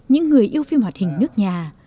những người yêu phim họa hình nước nhà